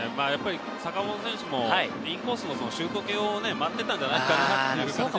坂本選手もインコースのシュート系を待っていたんじゃないですか？